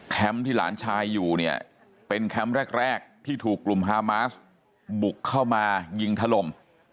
ที่หลานชายอยู่เนี่ยเป็นแคมป์แรกที่ถูกกลุ่มฮามาสบุกเข้ามายิงถล่ม